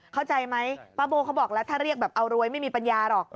เข้าใจไหมป้าโบเขาบอกแล้วถ้าเรียกแบบเอารวยไม่มีปัญญาหรอก